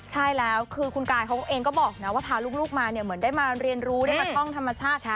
ใช่แล้วคือคุณกายเขาเองก็บอกนะว่าพาลูกมาเนี่ยเหมือนได้มาเรียนรู้ได้มาท่องธรรมชาติ